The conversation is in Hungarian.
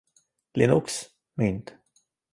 Linux Mint.